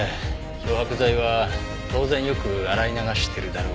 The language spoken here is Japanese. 漂白剤は当然よく洗い流してるだろうから。